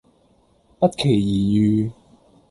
不期而遇